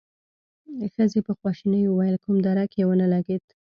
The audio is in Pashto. ښځې په خواشينۍ وويل: کوم درک يې ونه لګېد؟